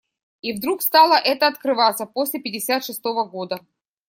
И вдруг стало это открываться после пятьдесят шестого года